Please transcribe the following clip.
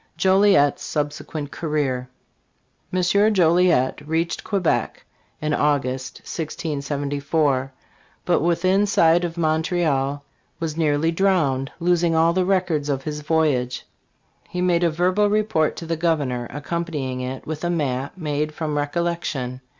JOLIET'S SUBSEQUENT CAREER. M. Joliet reached Quebec in August, 1674, but within sight of Montreal was nearly drowned, losing all the records of his voyage. He made a verbal report to the Governor, accompanying it with a map made from recollection.